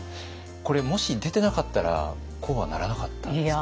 これもし出てなかったらこうはならなかったんですか？